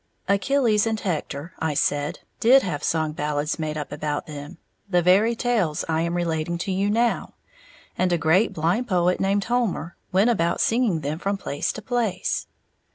"Achilles and Hector," I said, "did have song ballads made up about them, the very tales I am relating to you now; and a great blind poet, named Homer, went about singing them from palace to palace."